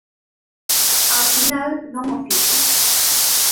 Ao final non o fixo.